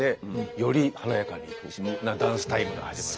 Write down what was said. より華やかなダンスタイムが始まる。